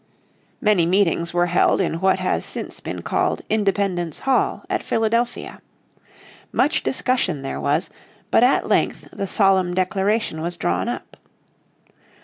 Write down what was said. Many meetings were held in what has since been called Independence Hall at Philadelphia. Much discussion there was, but at length the solemn declaration was drawn up.